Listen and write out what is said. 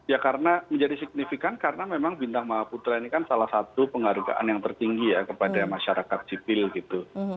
ya karena menjadi signifikan karena memang bintang mahaputra ini kan salah satu penghargaan yang tertinggi ya kepada masyarakat sipil gitu